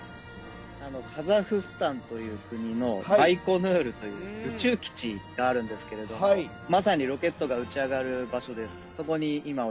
カザフスタンという国のバイコヌールという宇宙基地があるんですけれども、まさにロケットが打ち上がる場所です。